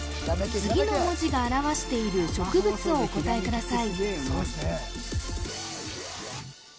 次の文字が表している植物をお答えください